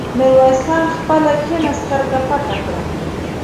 ميرويس خان خپله کيڼه سترګه پټه کړه.